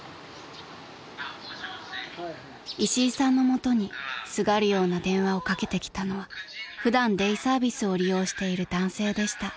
［石井さんの元にすがるような電話をかけてきたのは普段デイサービスを利用している男性でした］